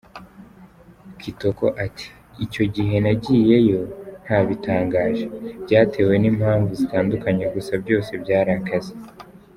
Kitoko ati “Icyo gihe nagiyeyo ntabitangaje, byatewe n’impamvu zitandukanye gusa byose byari akazi.